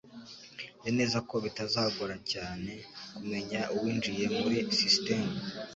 Nzi neza ko bitazagora cyane kumenya uwinjiye muri sisitemu.